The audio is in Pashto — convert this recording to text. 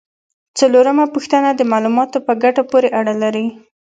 څلورمه پوهه د معلوماتو په ګټه پورې اړه لري.